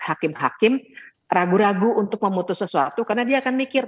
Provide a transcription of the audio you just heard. hakim hakim ragu ragu untuk memutus sesuatu karena dia akan mikir